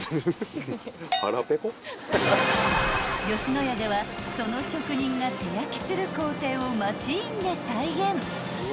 ［野家ではその職人が手焼きする工程をマシンで再現］